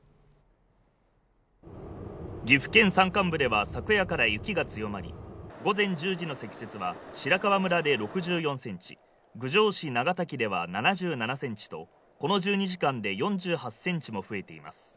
岐阜県の山間部では昨夜から雪が強まり午前１０時の積雪は白川村で６４ｃｍ郡上市長滝では７７ｃｍとこの１２時間で４８ｃｍも増えています